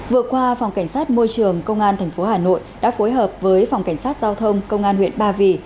vừa qua phòng cảnh sát môi trường công an tp hà nội đã phối hợp với phòng cảnh sát giao thông công an huyện ba vì